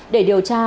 để điều tra